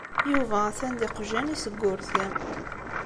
Yuba ha-t-an d yiqjan-is deg wurti.